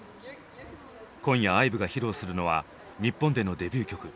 今夜ＩＶＥが披露するのは日本でのデビュー曲。